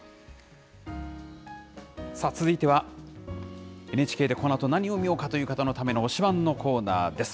続いては、ＮＨＫで、このあと何を見ようかという人のための推しバン！のコーナーです。